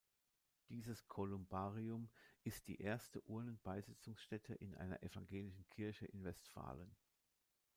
Dieses Kolumbarium ist die erste Urnen-Beisetzungsstätte in einer evangelischen Kirche in Westfalen.